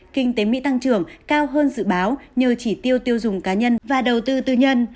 kinh tế mỹ tăng trưởng cao hơn dự báo như chỉ tiêu tiêu dùng cá nhân và đầu tư tư nhân